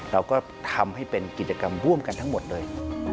เราก็ทำให้เป็นกิจกรรมร่วมกันทั้งหมดเลย